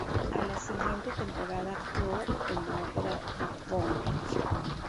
A la siguiente temporada actuó en la Ópera de Bonn.